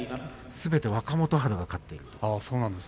すべて若元春が勝っています。